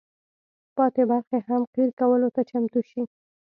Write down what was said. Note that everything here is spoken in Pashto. پاتې برخې هم قیر کولو ته چمتو شي.